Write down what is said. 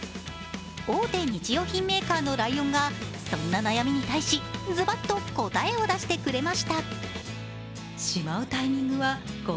大手日用品メーカーのライオンが、そんな悩みに対しずばっと答えを出してくれました。